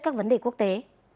các vấn đề quốc tế